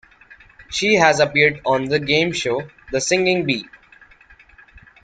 She has appeared on the game show "The Singing Bee".